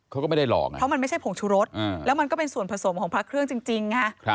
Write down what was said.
เขาก็ไม่ได้หลอกนะเพราะมันไม่ใช่ผงชุรสแล้วมันก็เป็นส่วนผสมของพระเครื่องจริง